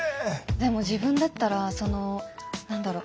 でも自分だったらその何だろう。